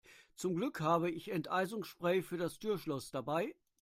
Zum Glück habe ich Enteisungsspray für das Türschloss dabei.